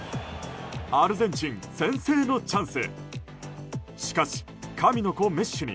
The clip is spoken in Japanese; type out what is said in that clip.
アルゼンチン、先制のチャンス。